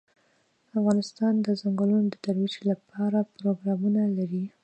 افغانستان د ځنګلونه د ترویج لپاره پروګرامونه لري.